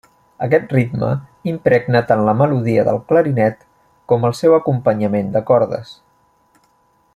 Aquest ritme impregna tant la melodia del clarinet com el seu acompanyament de cordes.